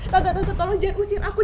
tante tante tolong jangan usir aku